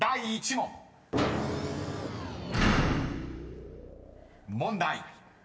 ［問題］